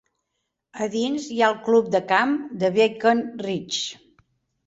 A dins hi ha el club de camp de Beacon Ridge.